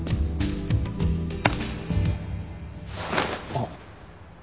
あっ！